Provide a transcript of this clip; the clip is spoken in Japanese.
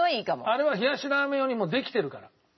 あれは冷やしラーメン用にもうできてるから。